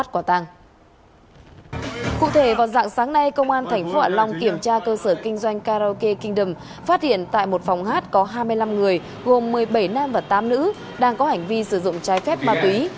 cụ thể vào dạng sáng nay công an tp hạ long kiểm tra cơ sở kinh doanh karaoke king phát hiện tại một phòng hát có hai mươi năm người gồm một mươi bảy nam và tám nữ đang có hành vi sử dụng trái phép ma túy